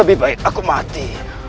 lebih baik aku mati